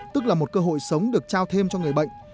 tức là một cơ hội sống được trao thêm cho người bệnh